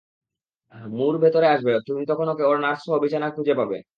মুর ভেতরে আসবে, তখন তুমি ওকে ওর নার্স সহ বিছানার খুঁজে পাবে।